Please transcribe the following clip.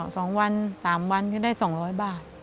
ก็๒วัน๓วันก็ได้๒๐๐บาท